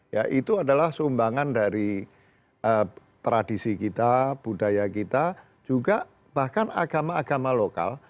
ya itu adalah sumbangan dari tradisi kita budaya kita juga bahkan agama agama lokal